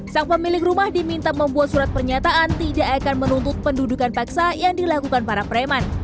sang pemilik rumah diminta membuat surat pernyataan tidak akan menuntut pendudukan paksa yang dilakukan para preman